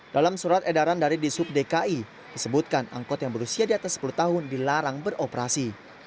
dalam surat edaran dari disub dki disebutkan angkot yang berusia di atas sepuluh tahun dilarang beroperasi